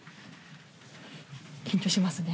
緊張しますね。